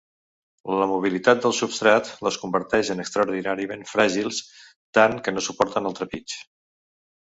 La mobilitat del substrat les converteix en extraordinàriament fràgils, tant que no suporten el trepig.